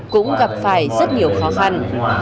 cũng gặp phải rất nhiều khó khăn